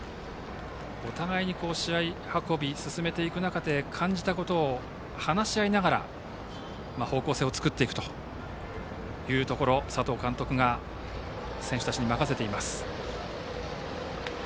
お互いに試合を進めていく中で感じたことを話し合いながら方向性を作っていくというところ佐藤監督が選手たちに任せています。